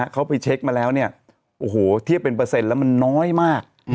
เขาไปเช็คมาแล้วเนี่ยโอ้โหเทียบเป็นเปอร์เซ็นต์แล้วมันน้อยมาก